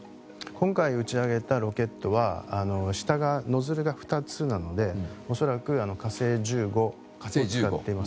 今回打ち上げたロケットは下のノズルが２つなので恐らく「火星１５」を使っています。